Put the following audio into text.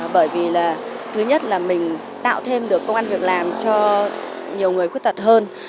bởi vì là thứ nhất là mình tạo thêm được công an việc làm cho nhiều người khuyết tật hơn